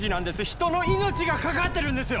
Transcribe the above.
人の命がかかってるんですよ！